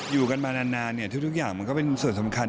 อยู่กันมานานเนี่ยทุกอย่างมันก็เป็นส่วนสำคัญ